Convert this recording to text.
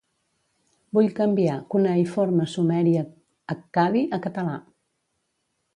Vull canviar cuneïforme sumeri-accadi a català.